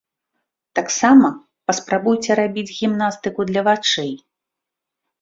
Таксама паспрабуйце рабіць гімнастыку для вачэй.